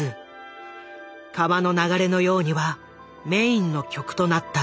「川の流れのように」はメインの曲となった。